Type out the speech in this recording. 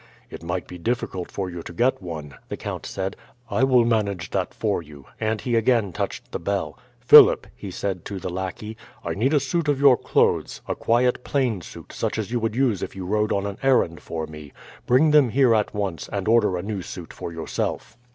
"It might be difficult for you to get one," the count said. "I will manage that for you;" and he again touched the bell. "Philip," he said to the lackey, "I need a suit of your clothes; a quiet plain suit, such as you would use if you rode on an errand for me. Bring them here at once, and order a new suit for yourself.